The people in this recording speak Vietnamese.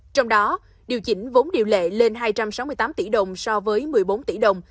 trong đó điều chỉnh vốn điều lệ lên hai trăm sáu mươi tám tỷ đồng so với một mươi bốn tỷ đồng